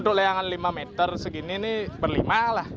kalau layangan lima meter segini ini berlima lah